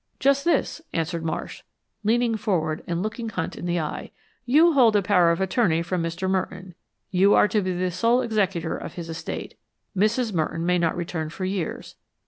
"Just this,". answered Marsh, leaning forward and looking Hunt in the eye. "You hold a power of attorney from Mr. Merton. You are to be sole executor of his estate. Mrs. Merton may not return for years.